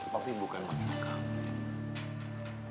papi bukan maksa kamu